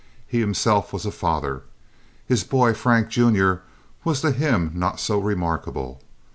He himself was a father. His boy, Frank, Jr., was to him not so remarkable.